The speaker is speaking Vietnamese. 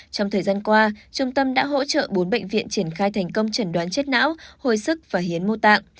trong thời gian qua trung tâm đã hỗ trợ bốn bệnh viện triển khai thành công trần đoán chết não hồi sức và hiến mô tạng